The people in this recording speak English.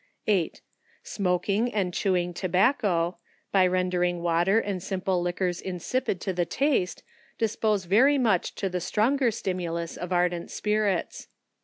8. Smoaking and chewing tobacco, by rendering water and simple liquors insipid to the taste, dispose very much to the stronger stimulus of ardent spirits.